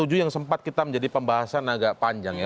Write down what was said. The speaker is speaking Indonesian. itu yang sempat kita menjadi pembahasan agak panjang ya